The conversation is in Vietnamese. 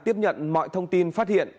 tiếp nhận mọi thông tin phát hiện